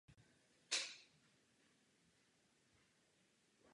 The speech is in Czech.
Václav Havel napsal k přípravě hry velmi podrobné poznámky.